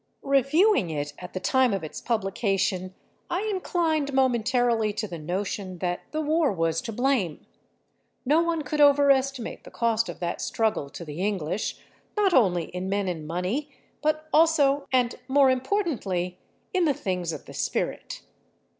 Reviewing it at the time of its publication, I inclined momentarily to the notion that the war was to blame. No one could overestimate the cost of that struggle to the English, not only in men and money, but also and more importantly in the things of the spirit.